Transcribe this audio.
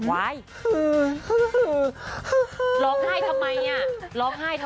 หลงเฮ้ยทำไม